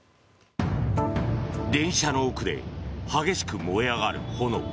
電車の奥で激しく燃え上がる炎。